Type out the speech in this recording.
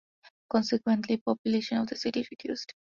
Consequently, population of the city reduced.